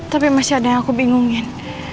tapi masih ada yang aku bingungin